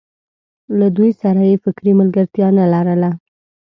له دوی سره یې فکري ملګرتیا نه لرله.